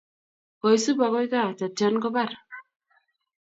Koisup akoy kaa, tatyan kopar.